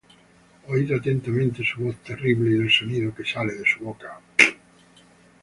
Oid atentamente su voz terrible, y el sonido que sale de su boca.